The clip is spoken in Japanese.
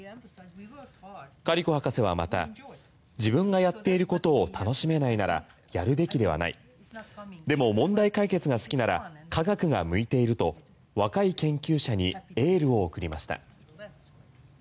最初はカリコ博士はまた自分がやっていることを楽しめないならやるべきではないでも問題解決が好きなら科学が向いていると若い研究者にエールを送りました。